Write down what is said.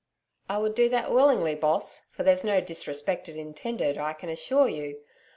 'I would do that willingly, Boss, for there's no disrespect intended I can assure you.